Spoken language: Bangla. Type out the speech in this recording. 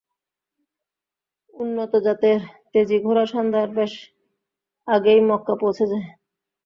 উন্নত জাতের তেজি ঘোড়া সন্ধ্যার বেশ আগেই মক্কা পৌঁছে যায়।